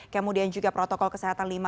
kemudian juga protokol kesehatan